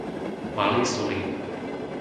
Malý Sulín